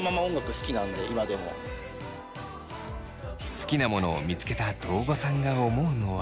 好きなものを見つけた堂後さんが思うのは。